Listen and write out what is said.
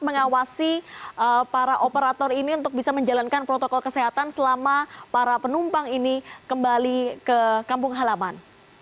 mengawasi para operator ini untuk bisa menjalankan protokol kesehatan selama para penumpang ini kembali ke kampung halaman